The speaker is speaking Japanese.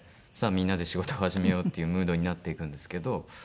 みんなで仕事を始めようっていうムードになっていくんですけど。